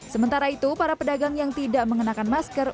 sementara itu para pedagang yang tidak mengenakan masker